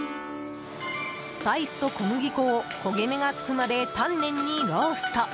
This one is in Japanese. スパイスと小麦粉を焦げ目がつくまで丹念にロースト。